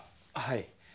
はい。